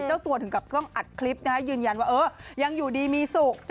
เจ้าตัวถึงกับต้องอัดคลิปนะฮะยืนยันว่ายังอยู่ดีมีสุข